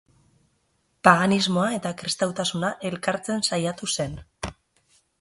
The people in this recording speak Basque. Paganismoa eta kristautasuna elkartzen saiatu zen.